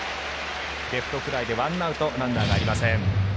レフトフライでワンアウトランナーありません。